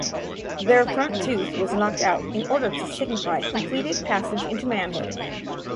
Their front tooth was knocked out in order to signify completed passage into manhood.